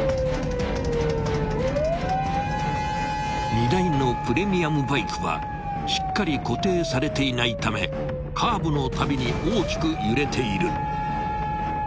［荷台のプレミアムバイクはしっかり固定されていないためカーブのたびに大きく揺れている］